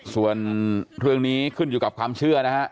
ส่วนเรื่องนี้ขึ้นอยู่กับความเชื่อนะฮะ